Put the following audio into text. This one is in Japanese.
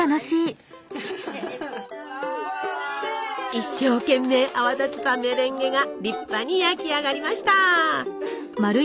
一生懸命泡立てたメレンゲが立派に焼き上がりました！